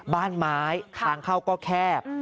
บ้านไม้ทางเข้าก็แคบ